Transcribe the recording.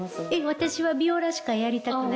私はヴィオラしかやりたくないです。